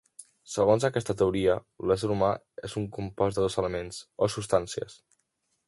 Segons aquesta teoria, l'ésser humà és un compost de dos elements o substàncies.